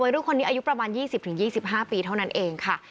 รุ่นคนนี้อายุประมาณ๒๐๒๕ปีเท่านั้นเองค่ะ